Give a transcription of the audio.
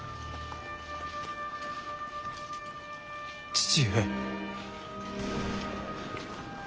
父上。